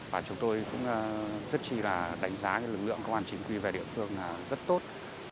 và chúng tôi cũng rất chi là đánh giá lực lượng công an chính quy về địa phương rất tốt